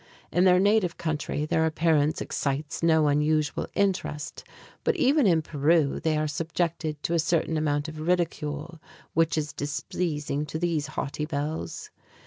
In their native country, their appearance excites no unusual interest; but even in Peru they are subjected to a certain amount of ridicule, which is displeasing to these haughty belles.